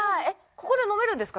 ここで飲めるんですか。